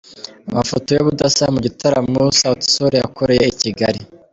Amafoto y’ubudasa mu gitaramo Sauti Sol yakoreye i Kigali.